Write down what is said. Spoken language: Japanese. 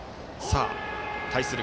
対する